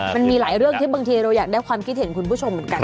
มันมีหลายเรื่องที่บางทีเราอยากได้ความคิดเห็นคุณผู้ชมเหมือนกัน